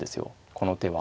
この手は。